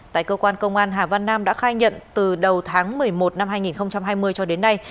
tại cơ quan công an hà văn nam đã khai nhận từ đầu tháng một mươi một năm hai nghìn hai mươi cho đến nay